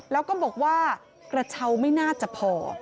แล้วก็บอกว่ากระเช้าไม่น่าจะพอ